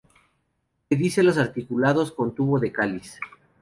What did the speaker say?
Pedicelos articulados con tubo del cáliz.